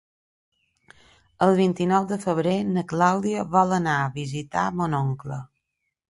El vint-i-nou de febrer na Clàudia vol anar a visitar mon oncle.